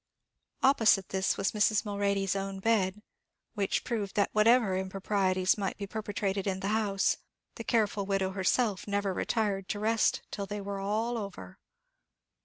Opposite this was Mrs. Mulready's own bed, which proved that whatever improprieties might be perpetrated in the house, the careful widow herself never retired to rest till they were all over.